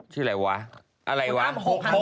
ชื่ออะไรแหวะ